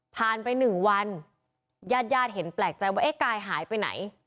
ไป๑วันญาติญาติเห็นแปลกใจว่าเอ๊ะกายหายไปไหน